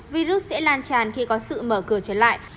virus sẽ lan tràn khi có sự mở cửa trở lại